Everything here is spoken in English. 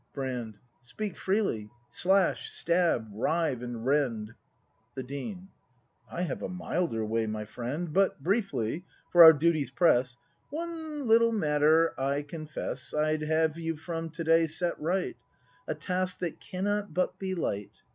Brand. Speak freely; slash, stab, rive and rend! The Dean. I have a milder way, my friend. But briefly: for our duties press. One little matter, I confess, I'd have you from to day set right; A task that cannot but be light.